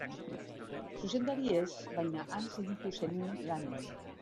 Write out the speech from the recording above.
Zuzendari ez, baina han segitu zenuen lanean.